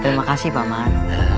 terima kasih pak man